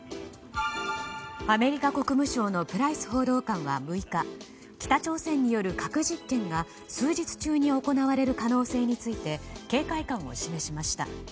アメリカ国務省のプライス報道官は６日北朝鮮による核実験が数日中に行われる可能性について警戒感を示しました。